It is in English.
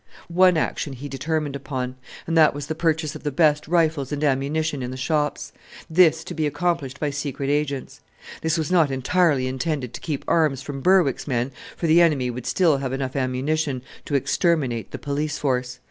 One action he determined upon, and that was the purchase of the best rifles and ammunition in the shops: this to be accomplished by secret agents. This was not entirely intended to keep arms from Berwick's men, for the enemy would still have enough ammunition to exterminate the police force.